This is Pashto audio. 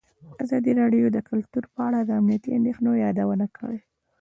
ازادي راډیو د کلتور په اړه د امنیتي اندېښنو یادونه کړې.